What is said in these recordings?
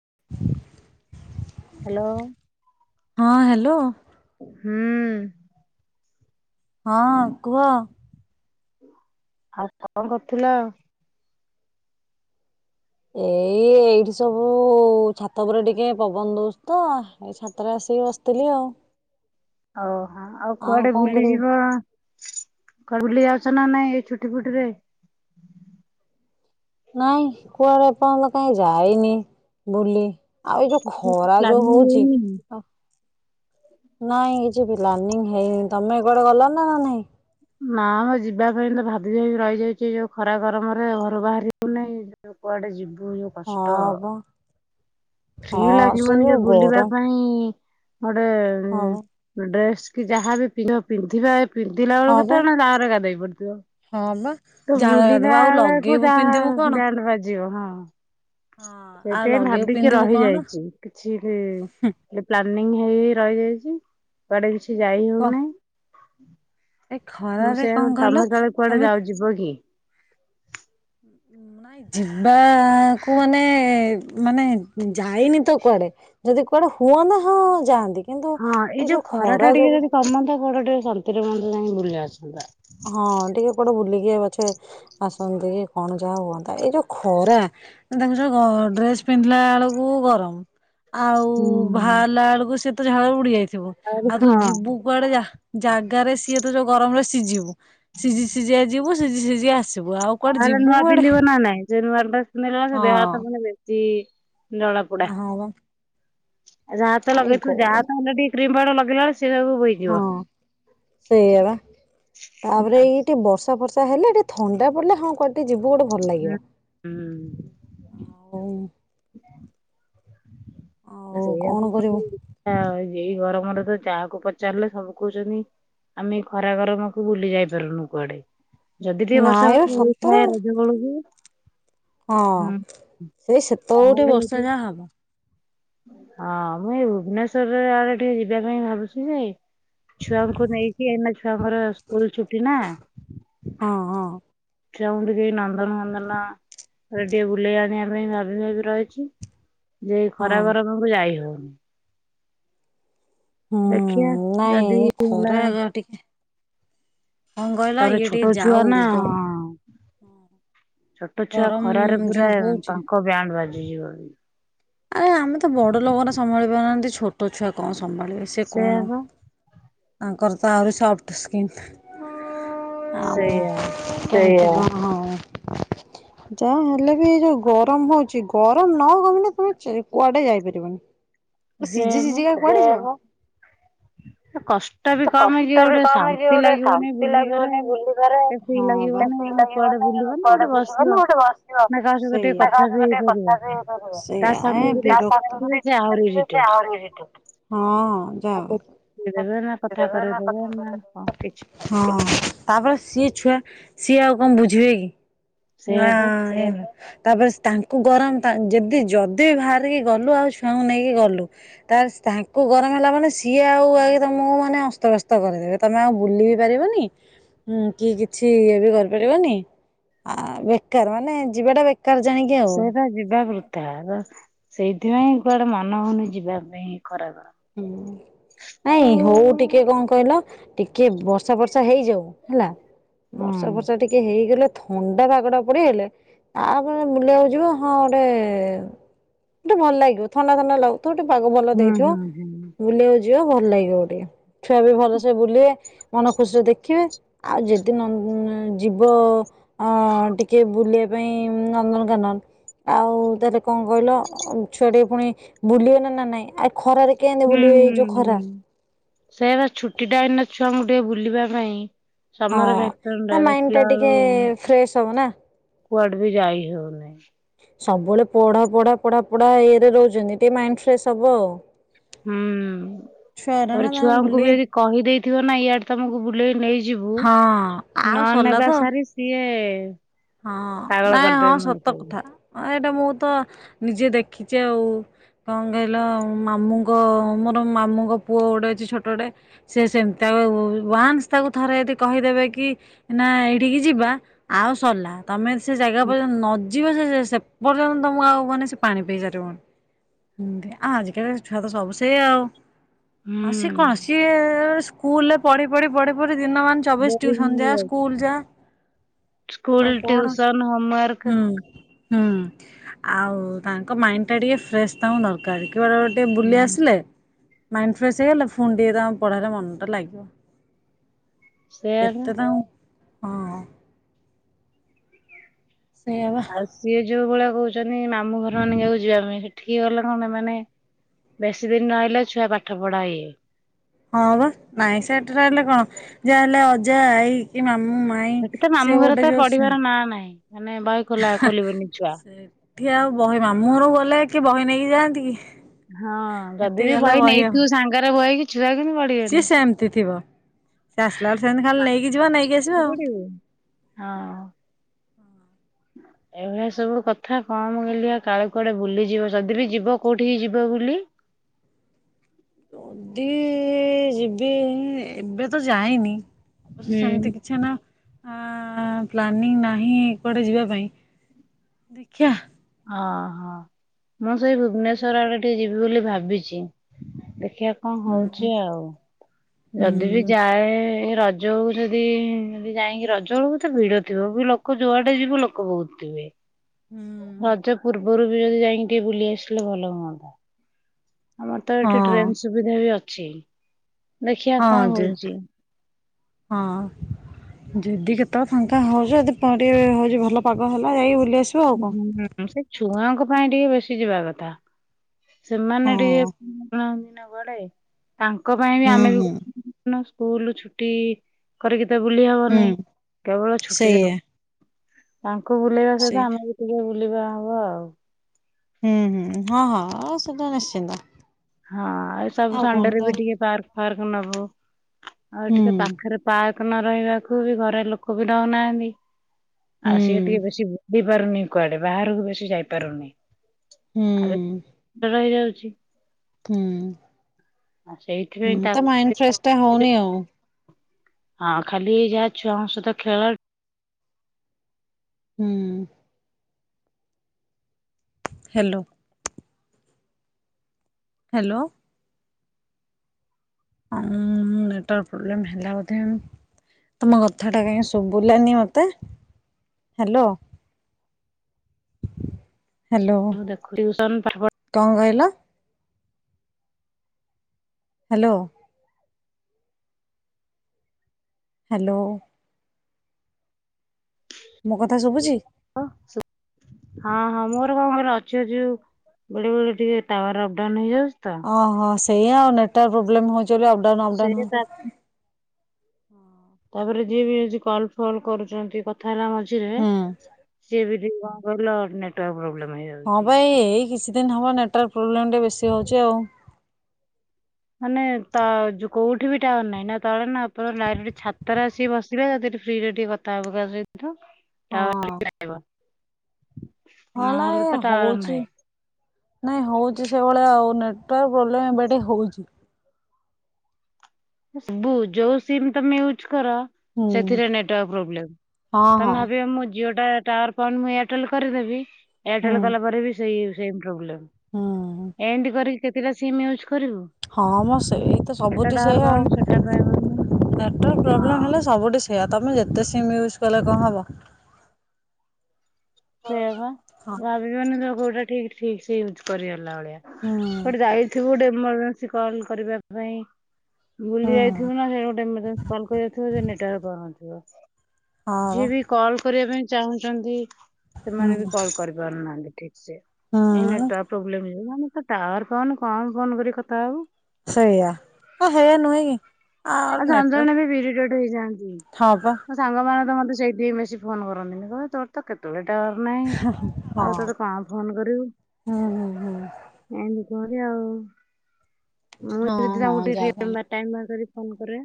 [inaudible] Hello ହଁ hello ହୁଁ ହଁ କୁହ? ଆଉ କଣ କରୁଥିଲ? ଏଇ ଏଇଠି ସବୁ ଛାତ ଉପରେ ଟିକେ ପବନ ଦୋଷ ତ ଏଇ ଛାତରେ ଆସିକି ବସିଥିଲି ଆଉ ହଉ ହଁ ଆଉ କୁଆଡେ କଣ କରିବୁ ବୁଲିଯିବ କୁ ବୁଲି ଯାଉଛ ନା ନାହିଁ ଏ ଛୁଟି ଫୁଟିରେ ନାଇଁ କୁଆଡେ ଏ ପର୍ଯ୍ୟନ୍ତ କାଇହିଁ ଯାାଇନି ବୁଲି ଆଉ ଏଇ ଯୋଉ ଖରା ଯୋଉ ପ୍ଲାନିଂ ହଉଛି ହେଇନି? ନାଇଁ ଏ ହେଇ ତମେ କୁଆଡେ ଗଲ ନା ନା ନାଇଁ ନା ଆମ ଯିବା ପାଇଁ ତ ଭାବି ଭାବି ରହିଯାଇଛି ଯୋଉ ଖରା ଗରମ ରେ ଘରୁ ବାହାରି ହଉନହିଁ ଯୋଉ କୁଆଡେ ଯିବୁ ଯୋଉ ହ କଷ୍ଟ ଫ୍ରି ଲାଗିବନଜ ବୁଲିବା ପାଇଁ ହଁ ଗୋଟେ ହଁ ବା ଡ୍ରେସ୍ କି ଯାହାବି ପିନ୍ଧ ପିନ୍ଧିବା ପିନ୍ଧିଲା ହଁ ବେଳକୁ ବା। ତଣେ ତାରେ ଗାଧେଇ ପଡିଥିବ। ହଁ ବା ତୁ ଝାଳ ଗାଧୁଆ ବୁଲିଲା ଆଉ ବେଳକୁ ଲଗେଇବୁ ଯାହା ପିନ୍ଧିବୁ କଣ? ବ୍ୟାଣ୍ଡ ବାଜି ଯିବ ହଁ ହଁ ଆଉ ସେଥିପାଇଁ ଲଗେଇବୁ ଭାବିକି ପିନ୍ଧିବୁ କଣ? ରହିଯାଇଛି କିଛି ପ ହେଇ ରହିଯାଇଛି କୁଆଡେ କିଛି କିଛି ଯାଇ କ ହଉନହିଁ ହୁଁ। ଏ ଖରାରେ କଣ କହିଲ କୁଆଡେ ତମେ ଯାଉ ଯିବ କି? ନାଇ ଯିବାକୁ ମାନେ ମାନେ ଯାଇନି ତ କୁଆଡେ ଯଦି କୁଆଡେ ହୁଅନ୍ ହଁ ଯାଆନ୍ତି ହଁ ଏଇ ଯୋଉ ଖରା ଟା ଟିକେ ଯଦି କମନ୍ତା ବଡ ଟିକେ ସନ୍ତରେ ମଣିଷ ଯାଇକି ବୁଲି ଆସନ୍ତା। ହଁ ଟିକେ କଣ ବୁଲିକି ବା ସେ ଆସନ୍ତି କି କଣ ଯାହା ହୁଅନ୍ତା ଏଇ ଯୋଉ ଖରା ତାଙ୍କୁ ଯୋଉ ଡ୍ରେସ ପିନ୍ଧିଲା ବେଳକୁ ଗରମ ଆଉ ହୁଁ। ଭାଲା ବେଳକୁ ସେ ତ ଝାଳ ବୁଡ଼ିଆାଇଥି ଥିବୁ ଆହୁରି ଆଉ ତୁ ହଁ ଯିବୁ କୁଆଡେ ଜାଗାରେ ସିଏ ଯଉ ଗରମରେ ସିଝିବୁ ସିଝି ସିଝିଆ ଯିବୁ ସିଝି ସିଝି ଆସିବ ତାହେଲେ ନୂଆ ପିନ୍ଧିବ ନା ନାଇଁ ନୂଆ ନେ ସେ ହଁ ଦେହାତ ମାନେ ବେଶୀ ଜଳା ପୋ। ହଁ ବା ଯାହା ତ ଏଇ ଲଗେଇଥୁ ଯାହା ଗରମ ତ ଅଲରେଡି କ୍ରିମ ପାଉଡର ଲଗେଇ ହଁ ସେଇଆ ବା ତାପରେ ଏଇଠେ ବର୍ଷା ଫର୍ଷା ହେଲେ ଟିକେ ଥଣ୍ଡା ପଡେ ହଁ କୁଆଡ଼େ ଟି ଯିବୁ ଗୋଟେ ଭଲ ଲାଗିବ ଆଉ ହ ଆଉ ସେଇ କଣ କରିବୁ ଏଇ ଗରମରେ ତ ଯାହାକୁ ପଚାରିଲେ ସବୁ କହୁଛନ୍ତି ଆମେ ଖରା ଗରମକୁ ବୁଲି ଯାଇ ପାରୁନୁ କୁଆଡେ ଯଦି ଟିକେ ବର୍ଷା ନାଇଁ ବା ବର୍ଷ ସତରେ ହେଇଥାଏ ରଜ ବେଳକୁ ହଁ ହୁଁ ସେଇ ସେତଟି ତାହେଲେ ଯଦି ବର୍ଷ ଯା ହବ। ହଁ ମୁଁ ଏଇ ଭୁବନେଶ୍ଵର ଆଡେ ଟିକେ ଯିବା ପାଇଁ ଭାବୁଛି ଯେ ଛୁଆଙ୍କୁ ନେଇକି ଏନା ଛୁଆଙ୍କର ସ୍କୁଲ ଛୁଟି ନା। ହଁ ହଁ ଚା କେ ନନ୍ଦନ କନ୍ଦନରେଡି ବୁଲେଇ ଆଣିବା ପାଇଁଭି ରହିଛି। ଯ ହଁ ଖରା ଗର ପାଙ୍କ ଯାଇ ହଉ। [inaudible] ରଖିଆ ହୁଁ ନାଇଁ ନଦି ଏ ହେଲା ଖରା ଟିକେ କଣ କହିଲ ତାପରେ ଇଏ ଟିକେ ଛୋଟ ଛୁଆ ଯାଉ ନା ଗ ଛୋଟ ଛୁଆ ଖରାରେ ଗରମ ଯୋଉ ପୁରା ହଉଛି ତାଙ୍କ ବ୍ୟାଣ୍ଡ ବାଜ ସଇ ଗ ଆରେ ତଛ କଣ ସମ୍ଭାଳିବେ ସେ ସେଇଆ କଣ ପା। ତାଙ୍କର ତ ଆହୁରି ସଫ୍ଟ ସ୍କନ୍ ସେଇଆ ଆମ ସେଇଆ। ଓହୋ ଯାହା ହେଲେ ବି ଏ ଯୋଉ ଗରମ ହଉଛି ଗରମ ନ କମି ନା ତମେ କୁଆଡେ ଯାଇପାରିବନି। ତ ସିଝି ସେଇଆ ସିଝ କ କଣଛ। ପା କଷ୍ଟ ବି କମ କି କଷ୍ଟ ବି ଗୋଟେ କମ ହେଇଯିବ ଶାନ୍ତି ଗୋଟେ ଲାଗିବନି ଶାନ୍ତି ବୁଲିବାରେ। ଲାଗିବନି ଏତେ ବୁଲିବାରେ ଫ୍ରି ଲାଗିବନି ତମେ ବୁଲିବ ନା କୁଆଡେ ଗୋଟେ ବୁିବ ନା ବସିବ ଗୋଟେ ନା କାହା ସହିତ ଟିକେ ବସିବିକେ କଥା ବି ହେଇପାରିବ। ତା ସାଙ୍ଗକୁ ଯଦି ଛୁଆ ଥିବେ ସେ ଆହୁରି ଇରିଟେଟ୍ କଥା। ଯାଅ। ଆଉ ନା କଥା କରେଇଦେବେ ନା କଣ କିଛି ତାପରେ ସିଏ। ଛୁଆ ସିଏ ଆଉ କଣ ବୁଝିବେ କି। ସେଇଆ ନାଁ ପା ଏ। ତାପରେ ତାଙ୍କୁ ଗରମ ଯଦି ଯଦି ବି ବାହାରିକି ଗଲୁ ଆଉ ଛୁଆଙ୍କୁ ନେଇକି ଗଲୁ ତାପ ତାଙ୍କୁ ଗରମ ହେଲା ମାନ କିଏ ଆଉ ତ ମୁଁ ଅସ୍ତବସ୍ତ କରିଦେବେ ତମେ ଆଉ ବୁଲି ବି ପାରିବନିଁ କି କିଛି ଇଏ ବି କରିପାରିବନି ବେକାର ମାନେ ଯିବାଟା ବେକାର ଜାଣିକି ଆଉ ସେଇଦାଗି ଯାଗରୁ। ତା ସେଇଥିପାଇଁ କୁଆଡେ ମାନ ହଉନି ଯିବା ପାଇଁ ଖରା କୁ ହୁଁ ନାଇଁ ହଉ ଟିକେ କଣ କହିଲ ଟିକେ ବର୍ଷା ବର୍ଷା ହେଇଯାଉ ହେଲା। ହୁଁ ବର୍ଷା ବର୍ଷା ଟିକେ ହେଇଗଲେ ଥଣ୍ଡା ବାାଗଡା ପଡି ହେଲେ ତାପରେ ବୁଲକୁ ଯିବ ହଁ ଗୋଟେ ଗଟେ ଭଲ ଲାଗିବ ଥଣ୍ଡା ଥଣ୍ଡା ଲାଗୁ। ଗୋଟେ ପାଗ ଭଲ ହୁଁ ଦେଇଥିବ। ହୁଁ ହୁଁ। ବୁଲିବାକୁ ଯିବ ଭଲ ଲାଗିବ ଗୋଟେ ଛୁଆ ବି ଭଲସେ ବୁଲେ। ମନ ଖୁସିରେ ଦେଖିବେ। ଆଉ ଯଦି ଯିବ ଟିକେ ବୁଲିବା ପାଇଁ ନନ୍ଦନକାନନ ଆଉ ତାହେଲେ କଣ କହିଲ ଛୁଆ ଟିକେ ପୁଣି ବୁଲିବେ ନା ନା ନାଇଁ ଆ ଖରାରେ। କେମିତି ହୁଁ ବୁଲିବେ ଏଇ ହୁଁ ଯୋଉ ଖରା ହୁଁ ସେଇ ଛୁଟିଟା ଏଇନା ଛୁଆଙ୍କୁ। ଗୋଟେ ବୁଲିବା ପାଇଁ ସମର ଭ୍ୟାକେସନ ହଁ ମାଇଣ୍ଡ ଦେଖିଲା ଟା ବେଳୁ ଟିକେ ଫ୍ରେଶ ହବ ନା କୁଆଡେ ବି ଯାଇ ହେଉନି ସବୁବେଳେ ପଢା ପଢା ପଢା ପଢା ଇଏରେ ରହୁଛନ୍ତି ଟିକେ ମାଇଣ୍ଡ ଫ୍ରେଶ ହବ ଆଉ ହୁଁ ଛୁଆରା ନା ତାପରେ ତାଙ୍କୁ ଛୁଆଙ୍କୁ ବୁଲି ବି ଯି କହିଦେଇ ଥିବ ନା ଇଆଡ ତମକୁ ବୁଲେଇ ନେଇ ଯିବୁ ହଁ ଆଉ ନ ସରିଲା ନେବା ତ ସାରି ସିଏ ହଁ ପାଗଳ ନାଇଁ ହଁ କରିଦେବେ ସତ ମଣିଷକୁ କଥା ମୁ ତ ନିଜେ ଦେଖିଛି ଆଉ କଣ କହିଲ ମ ମୋ ମଙ୍କ ପୁଅ ଗୋଟେ ଅ ଛୋଟଟେ ଥି କହିଦବେ କି ଯ ସଲା ତମେ ସେ ଜାଗା ଉପ ନ ଯିବ ସେ ସେ ପର୍ଯ୍ୟନ୍ତ ତମକୁ ଆଉ ମହାନେ ସେ ପାଣି ପିଇ ସାରିବତି ଆ ଆଜିକାଲି ଛୁଆ ତ ସବୁ ସେଇ ଆଉ ଆଉ ସିଏ କଣ ହୁଁ। ସିଏ ସ୍କୁଲ ରେ ପଢି ପଢି ପଢି ପଢି ଦିନମାନ ଚବିଶ ବୋରିଂ ଟିଉସନ ଯାଏ ଆଉ ହେଇଯାଉଛି ସ୍କୁଲ ଯା ସ୍କୁଲ ସବୁ ପଢ ଟିୟୁସନ୍ ହୋମୱର୍କ ହୁଁ ହୁଁ ଆଉ ତାଙ୍କ ମାଇଣ୍ଡ ଟା ଟିକେ ଫ୍ରେଶ ତାଙ୍କୁ ଦରକାର ବେଳେ ବେଳେ ଟିକେ ବୁଲି ହୁଁ। ଆସିଲେ ମାଇଣ୍ଡ ଫ୍ରେଶ୍ ହେଇଗଲା ଫୋନ୍ ଟିକେ ତମ ପଢ଼ଲେ ମନଟା ଲାଗିବ। ସେଇଆ ବା କେତେ ତାଙ୍କୁ ହଁ ସେଇଆ ବା ଆଉ ସିଏ ଯୋଉଭଳିଆ କହୁଛନ୍ତି ମାମୁଁ ଘର ମାନି କାକୁ ଯିବା ପାଇଁ ସେଠିକି ଗଲେ କଣ ପାଇଁ ମାନେ ବେଶୀ ଦିନ ରହିଲେ ଛୁଆ ପାଠ ପଢା ଇଏ ହଁ ବା ନାଇଁ ସେଠି ରହିଲେ କଣ ଯାହାହେଲେ ଅଜା ଆଇ କି ମା ସେଠୀ ତ ମାମୁଁ ଘରେ ତ ପଢିବାର ନାଁ ନାହିଁ ମାନେ ବହି ଖୋଲା ଖୋଲିବନି ଛୁଆ। ଏଠି ଆଉ ବହି ମାମୁଁରୁ ଗଲେ କି ବହି ନେଇକି ଯାଆନ୍ତି କି? ହଁ ଯଦି ସେଠିକି ବି ଗଲେ ବହି ଆଉ ନେଇଥିବ ସାଙ୍ଗରେ ବହି ସିଏ ସେମିତି ଥିବ। ସେ ଆସିଲା ବେଳେ ସେମିତି ଖାଲି ନେଇକି ଯିବା ନେଇକି ଆସିବା ମାଗିକି ଆଉ ପଢିବେ ଏଇଭଳିଆ ସବୁ କଥା କଣ କଲି କାଳେ କୁଆଡେ ବୁଲିଯିବ ଯଦି ବି ଯିବ କୋଉଠିିକି ଯିବ ବୁଲି ଯଦି ଯିବି ଏବେ ତ ଯାଇନି [unintelligible] ସେମିତି ହୁଁ। କିଛି ନା ଆ ପ୍ଲାନିଂ ନାହିଁ କୁଆଡେ ଯିବା ପାଇଁ ଦେଖିଆ। ହଁ ହଁ ମୁଁ ସେଇ କୁଆଡେ ଭୁବନେଶ୍ୱର ଆଡେ ଟିକେ ଯିବି ବୋଲି ଭାବିଛି। ଦେଖିବା କଣ ହୁଁ ହଉଛି ଆଉ ହୁଁ ଯଦି ବି ଯାଏ ଜଉ ଯଦି ଯାଇକି ରଜ ବେଳକୁତ ଭିଡ ଥିବ ଲୋକ ଯୁଆଟେ ଯିବ ଲୋକ ବହୁତ ଥିବେ। ହୁଁ ରଜ ପୂର୍ବରୁ ବି ଯଦି ଯାଇକି ଟିକେ ବୁଲି ଆସିଲେ ଭଲ ହୁଅନ୍ତା। ଆମର ତ ଏଠି ହଁ ଟ୍ରେନ ସୁବିଧା ବି ଛିି। ଦେଖିଆ ହଁ କଣ ଯେ ହଉଚି। ହଁ ଯଦି କେତେବେଳେ ଫାଙ୍କା ହଉଛ ଯଦି ପରେ ହଉଛି ଭଲ ପାଗ ହେଲା ଯାଇକି ବୁଲି ଆସିବ ଆଉ କଣ। ହୁଁ ସେ ଛୁଆ ପାଇଁ ଟିକେ ବେସି ଯିବା କଥା। ସେମାନେ ଟିକେ ହଁ [unintelligible] ବେଳେ ତାଙ୍କ ପାଇଁ ବି ହୁଁ ଆମେ ବି। ହୁଁ [inaudible] ସ୍କୁଲ ଛୁଟି କରିକି। ଏତେ ବୁଲି ହୁଁ ହବନାଇଁ କେବଳ ଛୁଟିରେ ସେଇଆ ହ। ହଁ ଙ୍କୁ ବୁଲେଇବା ସହିତ ସେଇ ଆମ। ବୁଲିବା ହବ ଆଉ। ହୁଁ ହୁଁ ହଁ ହଁ ସେଟା ନିଶ୍ଚିନ୍ତ। ହଁ ଏ ସବୁ ଆଉ କଣ ସଣ୍ଡେ ରେ ତ ବି ଟିକେ ପାର୍କ। ଫାର୍କ୍ ନବ ଆଉ ହୁଁ ଏଠି ତ ପାଖରେ ପା ନ ରହିବାକୁ ବି ଘରେ ଲୋକ ବି ଦଉନାହାନ୍ତି। ହୁଁ ଆଉ ସିଏ ଟିକେ ବେଶୀ। ଯ ପାରୁନି କୁଆଡେ ବାହାରକୁ ବେଶି ଯାଇପାରୁନି। ହୁଁ ଆ ରହିଯାଉଛି। [unintelligible] ହୁଁ ଆଉ ସେଇଥିପାଇଁ ହୁଁ ତା ମାଇଣ୍ଡ ଫ୍ରେଶ ଟା ହଉନି ଆଉ। ହଁ ଖାଲି ଯାହା ଛୁଆଙ୍କ ସହିତ ଖେଳ। ହୁଁ ହ୍ୟାଲୋ ହ୍ୟାଲୋ ହ ନେଟୱାର୍କ ପ୍ରୋବ୍ଲେମ୍ ହେଲା ବୋଧେ ଆଉ ତମ କଥାଟା କାହିଁ ଶୁଭିଲାନି ମତେ ହ୍ୟାଲୋ। ହ୍ୟାଲୋ, ଦେଖୁ ଟିଉସନ ପାଠ କଣ କହିଲା? ହ୍ୟାଲୋ। ହ୍ୟାଲୋ ମୋ କଥା ଶୁଭୁଛି? ସୁଭ୍ ହ ହଁ ହଁ ମୋର କଣ କହିଲ ଅଛି ଅଛି ଯୋଉ ବେଳେ ବେଳେ ଟିକେ ଟାୱାର ଅପଡାଉନ ହେଇଯାଉଛି। ତ ଓହୋ ସେଇ ଆଉ ନେଟୱାର୍କ ପ୍ରୋବଲେମ ହଉଛି। ପାଇଁ ଅପଡାଉନ ସେ ଅପଡାଉନ୍ ତା ତାପରେ ଯିଏ ବି ଆଜି କଲ ଫଲ କରୁଛନ୍ତି କଥା। ଖଇଲା ମଝିରେ ହୁଁ। ସିଏ ବି। କଣ କହିଲ ନେଟୱର୍କ ପ୍ରୋବଲେମ୍। ହଁ ଭାଇ ଏଇ କିଛି। ଦିନ ହବ ନେଟୱର୍କ ପ୍ରୋବ୍ଲେମ ଟିକେ ବେଶୀ ହଉଛି ଆଉ। ମାନେ ତ କୋଉଠି ବି ଟାୱାର ନାହିଁ ନା ତଳେ ନା ଉପରେ ନା ଏଇ ଛାତରେ ଆସିକି ବସିବେ ଫ୍ରିରେ ଟିକେ କଥା ହବ କାହା ସହିତ ଟାୱାର ହଁ। ଟିକେ ଆସିବ। ହଁ ନାଇଁ ଏ ତ ଟାୱାର ହଉଛି ନାହିଁ ନାଇଁ ହଉଛି ସେଇଭଳିଆ ଆଉ ନେଟୱାର୍କ ପ୍ରୋବ୍ଲେମ ଏବେ ଟିକେ ହଉଛି। ସବୁ ଯୋଉ ସିମ ତମେ ୟୁଜ କର ହୁଁ ସେଥିରେ ନେଟୱାର୍କ ପ୍ରୋବ୍ଲେମ୍ ହଁ ହଁ ତମେ ଭାବିବ ମୁଁ ଜିଓ ଟାୱାର ପାଉନି ମୁଁ ଏୟାରଟେଲ କରିଦେବି ହୁଁ। ଏୟାରଟେଲ କଲା ପରେ ବି ସେଇ ହେଉଛି। ସେଇ ପ୍ରୋବ୍ଲେମ୍। ହୁଁ ଏମତି କରିକି କେତେଟା ସିମ୍ ୟୁଜ କରିବୁ ହଁ ମ ସେଇ ଏଇତ ସବୁଠି ସେଇ କହନି ସେଟା ପାଇବନି ପ୍ରୋବ୍ଲେମ ହଁ। ହେଲେ ସବୁଠି ସେଇଆ ତମେ ଯେତେ ସିମ୍ ୟୁଜ କଲେ କଣ ହବ। ସେଇଆ ବା ହଁ ଭାବିବନି ଯେ କୋଉଠି ଠିକ ଠିକ ସେ ୟୁଜ୍ କରିବା କଲା ଭଳିଆ ହୁଁ କୁଆଡ଼େ ଯାଇଥିବୁ ଗୋଟେ ଇମରଜେନ୍ସି କଲ୍ କରିବା ପାଇଁ ବୁଲି ହୁଁ ଯାଇଥିବୁ ନା ସେଇଟା ଗୋଟେ ଏମର୍ଜେନ୍ସି କଲ୍ କରିବାର ଥିବ ସେଠି ନେଟୱାର୍କ ପାଉନଥିବ। ହଁ ଯିଏ ବା ବି କଲ୍ କରିବା ପାଇଁ ଚାହୁଁଛନ୍ତି ସେମାନେ ବି ହୁଁ କଲ୍ କରି ପାରୁନାହାଁନ୍ତି। ଏଇ ହୁଁ ନେଟୱାର୍କ ପ୍ରୋବ୍ଲେମ୍ ଯୋଗୁ ଏଇ ମାନେ ତ ଟାୱାର ପାଉନି କଣ ଫୋନ କରି କଥା ହବୁ। ସେଇଆ ଆ ହେ ନୁହେଁ କି ଆଉ ଆଚ୍ଛା ନେଟୱାର୍କ ଆନ୍ଦୋଳନ ବି ବିରି ଡଟ ହେଇଯାନ୍ତି ହଁ ପା ମୋ ସାଙ୍ଗମାନେ ତ ମତେ ସେଇଠିକି ବେଶୀ ଫୋନ୍ କରନ୍ତିନି କହିବେ ତୋର ତ କେତେବେଳେ ନେଟୱାର୍କ ୱର୍କ ନାହିଁ ଆଉ ହଁ ତୋତେ କଣ ଫୋନ କରିବୁ ହୁଁ ହୁଁ ହୁଁ ଏମତି କରିଆ ଆଉ। ମୁଁ ହଁ ଯଦି ହଁ ତାଙ୍କୁ ଟିକେ ଯାହା କହିଲ ଟିକେ ଟାଇମ୍ ବାହାର କରି ଫୋନ କରେ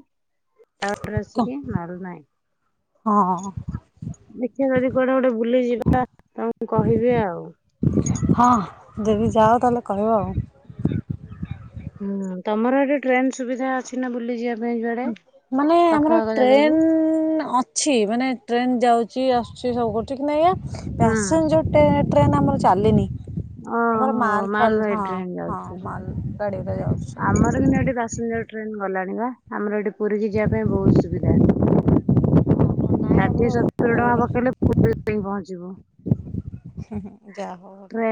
ପ୍ଲାଣ୍ଟରୁ କ ଆସିକି ମରିନାହିଁ। ହଁ। ଦେଖିବା ଯଦି କୁଆଡେ ଗୋଟେ ବୁଲିଯିବା ତମକୁ କହିବି ଆଉ। ହଁ ଯଦି ଯାଅ ତାହେଲେ କହିବ ଆଉ। ହୁଁ ତମର ଏଠି ଟ୍ରେନ ସୁବିଧା ଅଛି ନା ବୁଲିଯିବା ମାନେ ଆମର ଜାଗାକୁ? ଟ୍ରେନ ଅଛି ମାନେ ଟ୍ରେନ ଯାଉଛି ଆସୁଛି ସବୁ କରୁଛି କିନ୍ତୁ ଏହା ହୁଁ ପ୍ୟାସେଞ୍ଜର ଟ୍ରେନ ଆମର ଚାଲିନି। ଆମର ଅହୋ ମାଲ ଫାଲ ମାଲବାଇ ହଁ ଟ୍ରେନ ହଁ ଯାଉଛି। ମାଲ ଗାଡିରେ ଯାଉଛି ସବୁ। ଆମର କିନ୍ତୁ ଏଠି ପାସେଞ୍ଜର ଟ୍ରେନ୍ ଗଲା ଣି ପା ଆମର ଏଠି ପୁରୀ କିି ଯିବା ପାଇଁ ବହୁତ ସୁବିଧା। ଆ। ନାଇଁ ଷାଠିଏ ଆମର ସତୁରି ଟଙ୍କା କଣ ପକେଇଲେ ପୁ ରୀ ପହଞ୍ଚିବ। ହଁ ହଁ। ଯା ହଉ ଭଲ।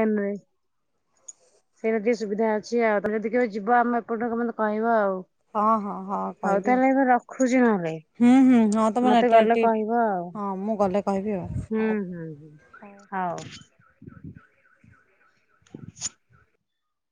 ସେଇଟା ଟିକେ ସୁବିଧା ଅଛି ଆଉ ତମେ ଯଦି କେବେ ଯିବ ଆମେ ଏପଟୁ ମତେ କହିବ ଆଉ। ହଁ ହଁ ହଁ ହଉ କହିବି ତାହେଲେ ଏବେ ରଖୁଛି ନହେଲେ ଆଉ ହୁଁ ହୁଁ ହଁ ତମ ମତେ ଗଲେ ନେଟୱର୍କ କହିବ ଆଉ ଟିକେ‌ ହଁ ମୁଁ ଗଲେ କହିବି ଆଉ ହୁଁ ହଉ ହୁଁ ହୁଁ ହଉ। [inaudible]